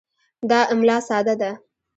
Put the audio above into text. دا املا ساده ده.